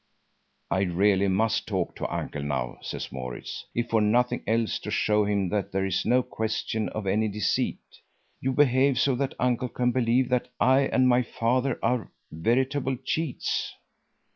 "I really must talk to Uncle now," says Maurits, "if for nothing else, to show him that there is no question of any deceit. You behave so that Uncle can believe that I and my father are veritable cheats."